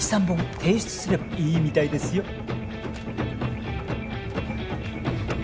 ２３本提出すればいいみたいですよ